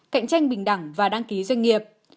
cạnh tranh bình đẳng và đăng ký doanh nghiệp